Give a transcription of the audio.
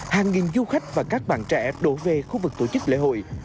hàng nghìn du khách và các bạn trẻ đổ về khu vực tổ chức lễ hội